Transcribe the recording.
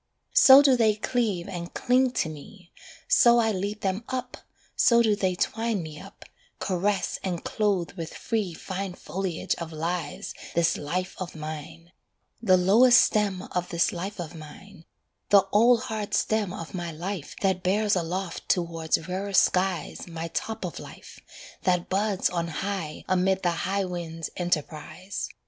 So do they cleave and cling to me, So I lead them up, so do they twine Me up, caress and clothe with free Fine foliage of lives this life of mine; The lowest stem of this life of mine, The old hard stem of my life That bears aloft towards rarer skies My top of life, that buds on high Amid the high wind's enterprise.